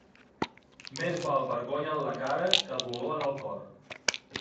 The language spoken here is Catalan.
Més val vergonya en la cara que dolor en el cor.